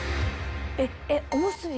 えっえっおむすび